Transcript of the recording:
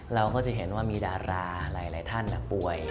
เราก็จะเห็นว่ามีดาราหลายท่านป่วย